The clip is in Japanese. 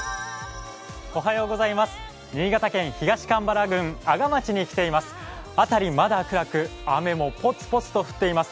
新潟県東蒲原郡阿賀町に来ています。